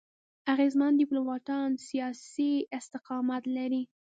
اغېزمن ډيپلوماټان سیاسي استقامت لري.